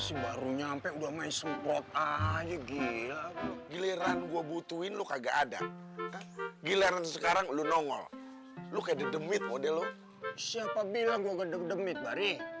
siapa bilang gua gede gedemit bari